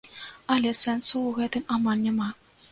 Але сэнсу ў гэтым амаль няма.